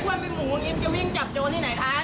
ผู้อ้วนเป็นหมูเย็นวิ่งจับโยนที่ไหนทัน